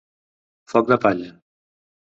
Foc de palla.